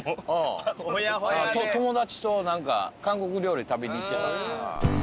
友達と何か韓国料理食べに行ってた。